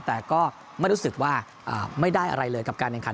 แต่ก็ไม่รู้สึกว่าไม่ได้อะไรเลยกับการแข่งขัน